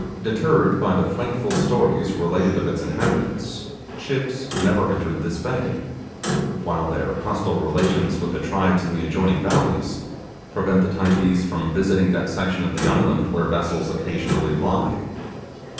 Deterred by the frightful stories related of its inhabitants, ships never enter this bay, while their hostile relations with the tribes in the adjoining valleys prevent the Typees from visiting that section of the island where vessels occasionally lie.